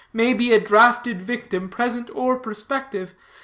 may be a draughted victim, present or prospective.